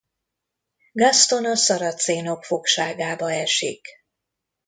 Gaston a szaracénok fogságába esik.